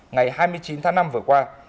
ngày hai mươi chín tháng năm vừa qua